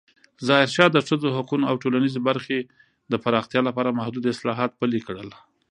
ظاهرشاه د ښځو حقونو او ټولنیزې برخې د پراختیا لپاره محدود اصلاحات پلې کړل.